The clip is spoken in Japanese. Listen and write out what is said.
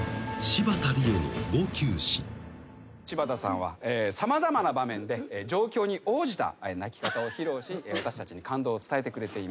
柴田さんは様々な場面で状況に応じた泣き方を披露し私たちに感動を伝えてくれています。